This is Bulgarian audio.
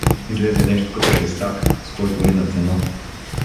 Излезе нещо като шестак, с който ринат сено.